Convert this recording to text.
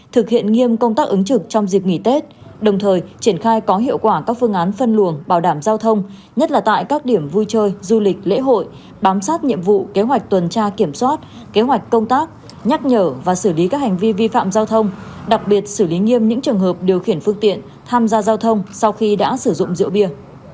thực hiện nghiêm công tác ứng trực trong dịp nghỉ tết đồng thời triển khai có hiệu quả các phương án phân luồng bảo đảm giao thông nhất là tại các điểm vui chơi du lịch lễ hội bám sát nhiệm vụ kế hoạch tuần tra kiểm soát kế hoạch công tác nhắc nhở và xử lý các hành vi vi phạm giao thông đặc biệt xử lý nghiêm những trường hợp điều khiển phương tiện tham gia giao thông sau khi đã sử dụng rượu bia